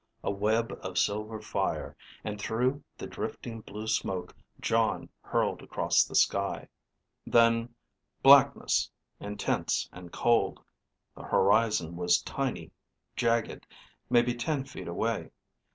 a web of silver fire, and through the drifting blue smoke Jon hurled across the sky. Then blackness, intense and cold. The horizon was tiny, jagged, maybe ten feet away.